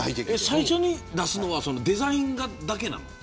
最初に出すのはデザイン画だけなの。